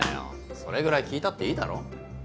それぐらい聞いたっていいだろ。